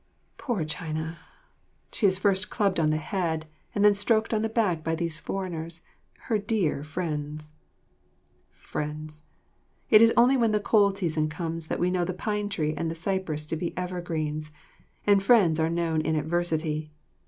Poor China! She is first clubbed on the head and then stroked on the back by these foreigners, her dear friends. Friends! It is only when the cold season comes that we know the pine tree and the cypress to be evergreens, and friends are known in adversity.